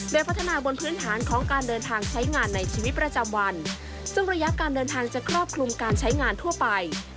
โดยพัฒนาบนพื้นฐานของการเดินทางใช้งานในชีวิตประจำวันซึ่งระยะการเดินทางจะครอบคลุมการใช้งานทั่วไป